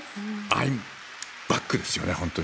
アイ・バックですよね。